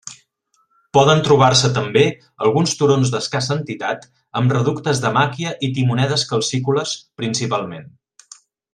Poden trobar-se també alguns turons d'escassa entitat amb reductes de màquia i timonedes calcícoles principalment.